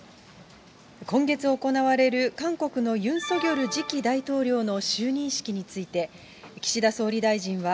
今月行われる韓国のユン・ソギョル次期大統領の就任式について、岸田総理大臣は、